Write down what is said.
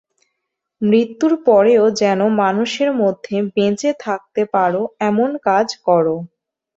মৃত্যুর পরেও যেন মানুষের মধ্যে বেঁচে থাকতে পারো, এমন কাজ করো।